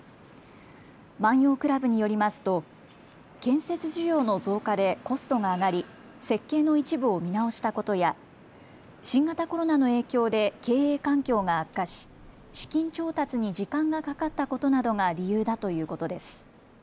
万葉倶楽部によりますと建設需要の増加でコストが上がり設計の一部を見直したことや新型コロナの影響で経営環境が悪化し資金調達に時間がかかったことなどが理由だということです。